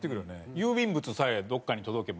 郵便物さえどこかに届けば。